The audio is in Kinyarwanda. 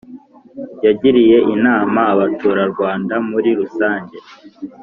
Yagiriye inama abaturarwanda muri rusange